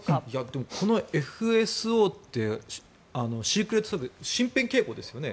でも、このＦＳＯってシークレットサービス身辺警護ですよね？